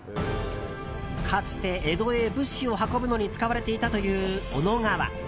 かつて、江戸へ物資を運ぶのに使われていたという小野川。